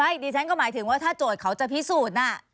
ดิฉันก็หมายถึงว่าถ้าโจทย์เขาจะพิสูจน์น่ะ